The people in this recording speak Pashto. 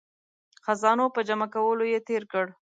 خزانو په جمع کولو یې تیر کړ.